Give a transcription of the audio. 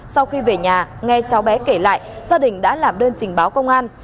sau khi về nhà nghe cháu bé kể lại gia đình đã làm đơn trình báo công an